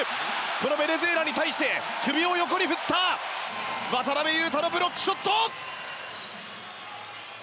このベネズエラに対して首を横に振った渡邊雄太のブロックショット！